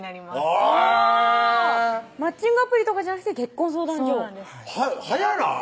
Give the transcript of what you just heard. えぇマッチングアプリとかじゃなくて結婚相談所早ない？